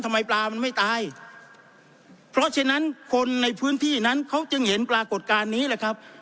ปลามันไม่ตายเพราะฉะนั้นคนในพื้นที่นั้นเขาจึงเห็นปรากฏการณ์นี้แหละครับ